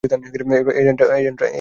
এজেন্টরা জানে না।